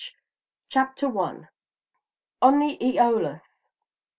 CHAPTER I. ON THE "EOLUS."